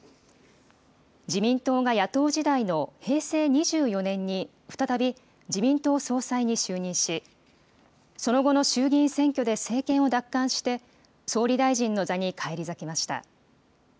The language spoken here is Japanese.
自民党が野党時代の平成２４年に再び自民党総裁に就任し、その後の衆議院選挙で政権を奪還して、総理大臣の座に返り咲きました。